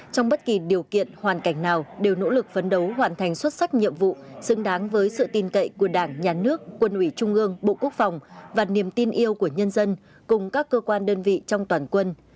trong bất kỳ điều kiện hoàn cảnh nào đều nỗ lực phấn đấu hoàn thành xuất sắc nhiệm vụ xứng đáng với sự tin cậy của đảng nhà nước quân ủy trung ương bộ quốc phòng và niềm tin yêu của nhân dân cùng các cơ quan đơn vị trong toàn quân